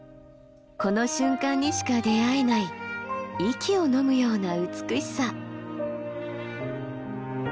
この瞬間にしか出会えない息をのむような美しさ。